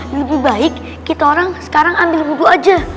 lebih baik kita sekarang ambil hudu aja